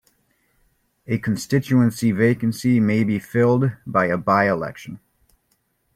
A constituency vacancy may be filled by a by-election.